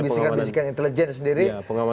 bisikan bisikan intelijen sendiri